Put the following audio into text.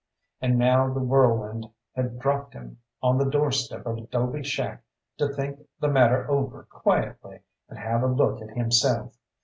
And now the whirlwind had dropped him on the doorstep of a 'dobe shack to think the matter over quietly and have a look at himself.